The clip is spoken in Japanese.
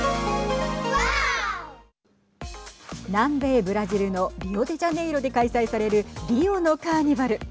南米ブラジルのリオデジャネイロで開催されるリオのカーニバル。